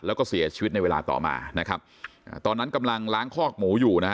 แล้วก็เสียชีวิตในเวลาต่อมานะครับอ่าตอนนั้นกำลังล้างคอกหมูอยู่นะฮะ